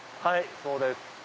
はいそうです。